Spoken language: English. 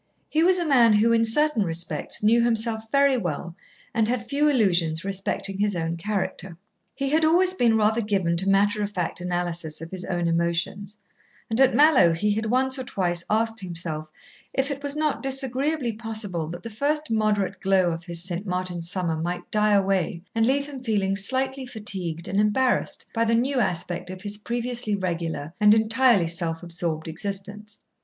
He was a man who, in certain respects, knew himself very well and had few illusions respecting his own character. He had always been rather given to matter of fact analysis of his own emotions; and at Mallowe he had once or twice asked himself if it was not disagreeably possible that the first moderate glow of his St. Martin's summer might die away and leave him feeling slightly fatigued and embarrassed by the new aspect of his previously regular and entirely self absorbed existence.